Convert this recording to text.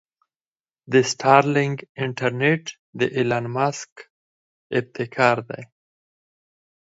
د سټارلنک انټرنټ د ايلان مسک ابتکار دې.